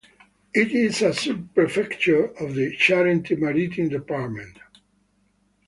It is a sub-prefecture of the Charente-Maritime department.